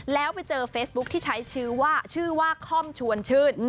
แล้วไปเจอเฟซบุ๊คที่ใช้ชื่อว่าชื่อว่าค่อมชวนชื่น